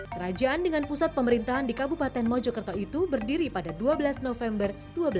kerajaan dengan pusat pemerintahan di kabupaten mojokerto itu berdiri pada dua belas november seribu dua ratus sembilan puluh tiga